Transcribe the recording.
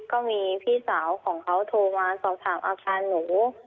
ก็มีพี่สาวของเขาโทรมาสอบถามอาคารหนู